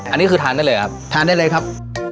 อันนี้คือทานได้เลยครับทานได้เลยครับ